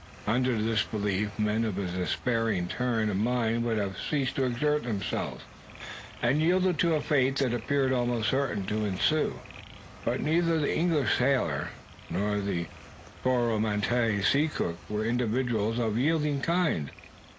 Under this belief, men of a despairing turn of mind would have ceased to exert themselves, and yielded to a fate that appeared almost certain to ensue. But neither the English sailor nor the Coromantee sea cook were individuals of the yielding kind.